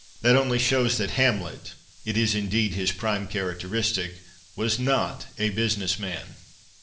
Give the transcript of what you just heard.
That only shows that Hamlet (it is indeed his prime characteristic) was not a business man.